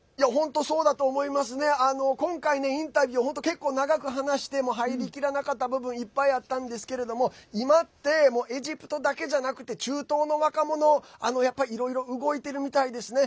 今回インタビュー結構長く話して入りきらなかった部分もいっぱいあったんですけれども今ってエジプトだけじゃなくて中東の若者、やっぱりいろいろ動いているみたいですね。